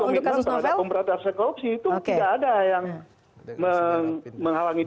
komitmen terhadap pemberantasan korupsi itu tidak ada yang menghalangi